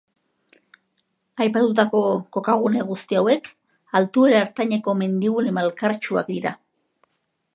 Aipatutako kokagune guzti hauek, altuera ertaineko mendigune malkartsuak dira.